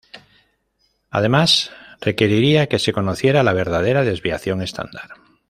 Además requeriría que se conociera la verdadera desviación estándar.